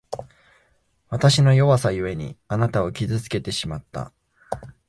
わたしの弱さゆえに、あなたを傷つけてしまった。